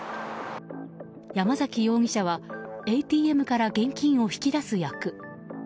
山崎容疑者はＡＴＭから現金を引き出す役。